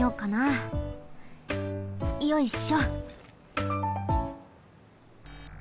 よいしょ。